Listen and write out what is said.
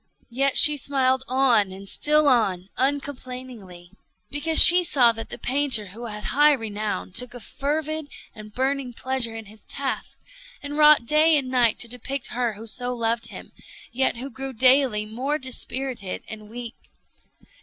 Yet she smiled on and still on, uncomplainingly, because she saw that the painter (who had high renown) took a fervid and burning pleasure in his task, and wrought day and night to depict her who so loved him, yet who grew daily more dispirited and weak.